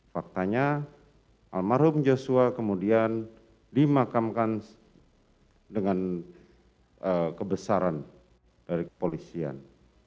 faktanya almarhum joshua kemudian dimakamkan dengan kebesaran dari kepolisian